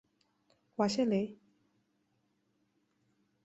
瓦谢雷。